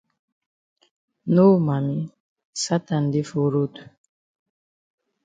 No mami Satan dey for road.